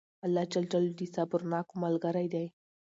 الله جل جلاله د صبرناکو ملګری دئ!